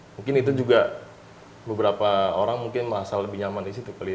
mungkin itu juga beberapa orang mungkin merasa lebih nyaman di situ kali ya